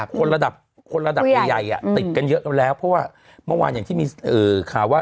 คนระดับคนระดับใหญ่ติดกันเยอะแล้วเพราะว่าเมื่อวานอย่างที่มีข่าวว่า